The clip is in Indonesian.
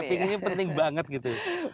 prototyping ini penting banget gitu ya